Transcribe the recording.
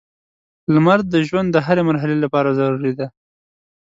• لمر د ژوند د هرې مرحلې لپاره ضروري دی.